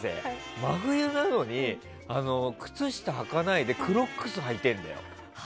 真冬なのに靴下はかないでクロックス履いてるんだよ。